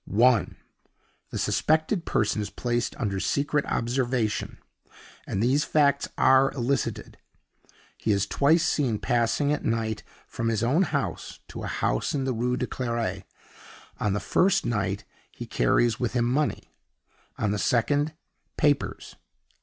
(1.) The suspected person is placed under secret observation, and these facts are elicited: He is twice seen passing at night from his own house to a house in the Rue de Clery. On the first night he carries with him money on the second, papers.